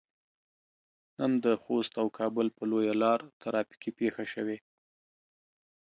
نن د خوست او کابل په لويه لار ترافيکي پېښه شوي.